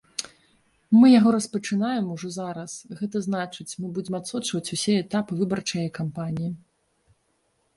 Мы яго распачынаем ужо зараз, гэта значыць, мы будзем адсочваць усе этапы выбарчае кампаніі.